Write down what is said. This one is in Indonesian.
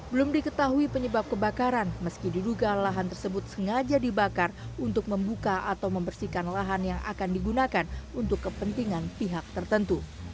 belum diketahui penyebab kebakaran meski diduga lahan tersebut sengaja dibakar untuk membuka atau membersihkan lahan yang akan digunakan untuk kepentingan pihak tertentu